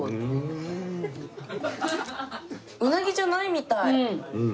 うなぎじゃないみたい。